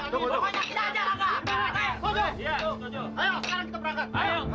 pokoknya kita ajar rangga